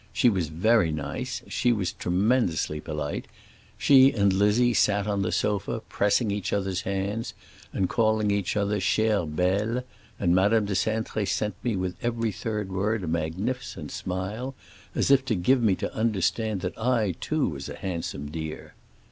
She was very nice; she was tremendously polite. She and Lizzie sat on the sofa, pressing each other's hands and calling each other chère belle, and Madame de Cintré sent me with every third word a magnificent smile, as if to give me to understand that I too was a handsome dear.